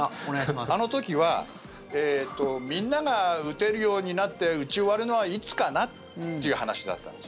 あの時はみんなが打てるようになって打ち終わるのはいつかなっていう話だったんですよ。